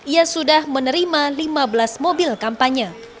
ia sudah menerima lima belas mobil kampanye